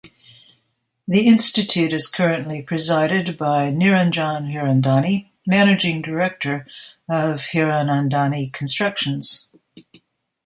The institute is currently presided by Niranjan Hirandani, Managing Director of Hiranandani Constructions.